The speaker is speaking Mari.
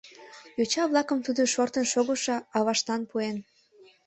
Йоча-влакым тудо шортын шогышо аваштлан пуэн.